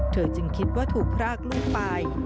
จึงคิดว่าถูกพรากลูกไป